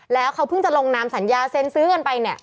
แล้วเขาเพิ่งจะลงนามสัญญาเซ็นซื้อกันไปเนี่ย